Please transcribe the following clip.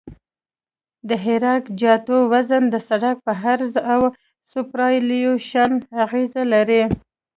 د عراده جاتو وزن د سرک په عرض او سوپرایلیویشن اغیزه لري